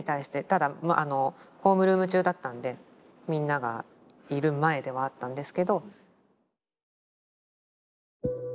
ただホームルーム中だったんでみんながいる前ではあったんですけど。